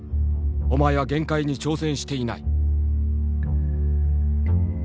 お前は限界に挑戦していない」。